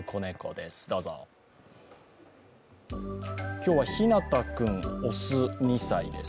今日はひなた君、雄、２歳です。